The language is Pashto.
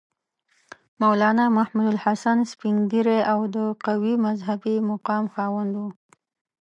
مولنا محمودالحسن سپین ږیری او د قوي مذهبي مقام خاوند دی.